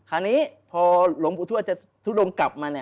อันนี้พอหนุ่มพุทธจะทุดงกลับมาเนี่ย